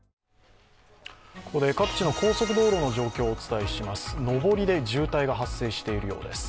ここで各地の高速道路の状況をお伝えします。